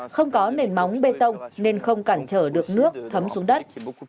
không có nền móng bê tông nên không cản trở được nước thấm xuống đất